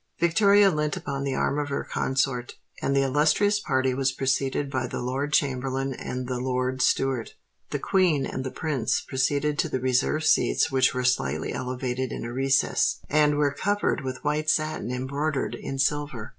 Victoria leant upon the arm of her consort; and the illustrious party was preceded by the Lord Chamberlain and the Lord Steward. The Queen and the Prince proceeded to the reserved seats which were slightly elevated in a recess, and were covered with white satin embroidered in silver.